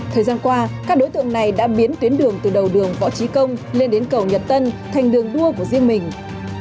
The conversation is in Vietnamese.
thời gian qua các đối tượng này đã biến tuyến đường từ đầu đường võ trí công lên đến cầu nhật tân thành đường đua của riêng mình